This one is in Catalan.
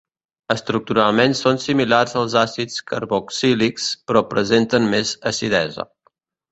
Estructuralment són similars als àcids carboxílics, però presenten més acidesa.